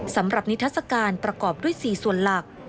สำหรับนิทัศกาลประกอบด้วย๔ส่วนหลัก